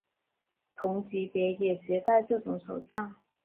同级别的也携带这种手杖。